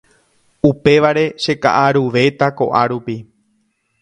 upévare cheka'aruvéta ko'árupi